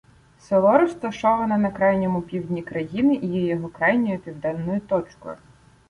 Село розташоване на крайньому півдні країни і є його крайньою південною точкою.